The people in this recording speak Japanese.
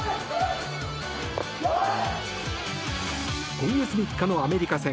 今月３日のアメリカ戦。